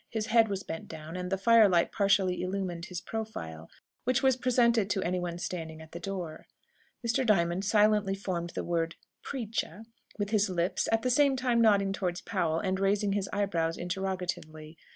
His head was bent down, and the firelight partially illumined his profile, which was presented to anyone standing at the door. Mr. Diamond silently formed the word "Preacher?" with his lips, at the same time nodding towards Powell, and raising his eyebrows interrogatively.